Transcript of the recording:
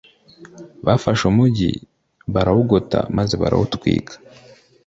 bafashe umugi barawugota maze barawutwika